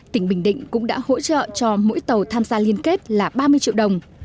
tỉnh bình định cũng đã hỗ trợ cho mỗi tàu tham gia liên kết là ba mươi triệu đồng